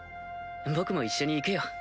僕も一緒に行くよ。